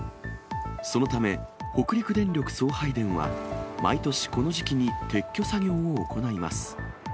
そのため、北陸電力送配電は、毎年この時期に、撤去作業を行います。